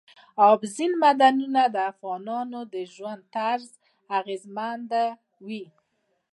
اوبزین معدنونه د افغانانو د ژوند طرز اغېزمنوي.